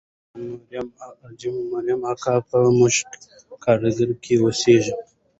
حاجي مریم اکا په موشک کارېز کې اوسېده.